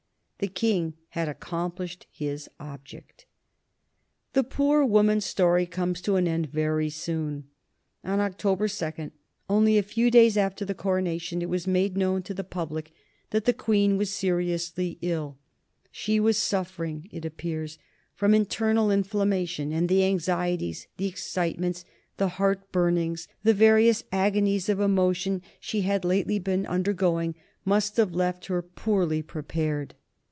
The King had accomplished his object. [Sidenote: 1821 Death of Queen Caroline] The poor woman's story comes to an end very soon. On August 2, only a few days after the Coronation, it was made known to the public that the Queen was seriously ill. She was suffering, it appears, from internal inflammation, and the anxieties, the excitements, the heart burnings, the various agonies of emotion she had lately been undergoing must have left her poorly prepared.